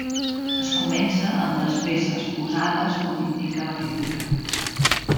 Es comença amb les peces posades com indica la figura.